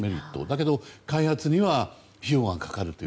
だけど、開発には費用がかかる。